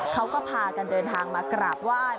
เขาก็พากันเดินทางมากราบไหว้